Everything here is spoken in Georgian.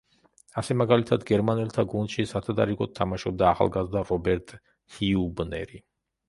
ასე მაგალითად, გერმანელთა გუნდში სათადარიგოდ თამაშობდა ახალგაზრდა რობერტ ჰიუბნერი.